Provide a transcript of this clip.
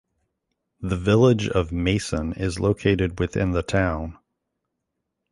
The Village of Mason is located within the town.